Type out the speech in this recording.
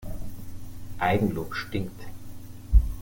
Eigenlob stinkt.